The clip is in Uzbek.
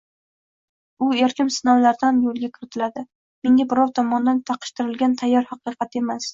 u erkim sinovlarida qo’lga kiritiladi. Menga birov tomonidan taqishtirilgan tayyor haqiqat emas.